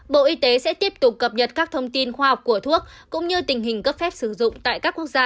bộ y tế sẽ tiếp tục cập nhật các thông tin khoa học của thuốc cũng như tình hình cấp phép sử dụng tại các quốc gia